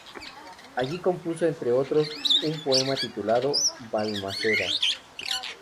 Allí compuso entre otros un poema titulado "Valmaseda".